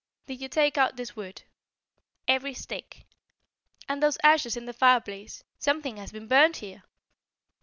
"Did you take out this wood?" "Every stick." "And those ashes in the fire place? Something has been burned there."